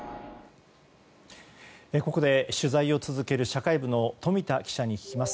ここで取材を続ける社会部の冨田記者に聞きます。